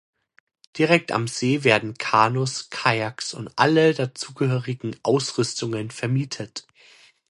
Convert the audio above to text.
Direkt am See werden Kanus, Kajaks und alle dazugehörigen Ausrüstungen vermietet.